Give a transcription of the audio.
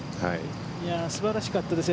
素晴らしかったですよ。